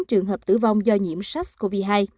một hai trăm linh tám trường hợp tử vong do nhiễm sars cov hai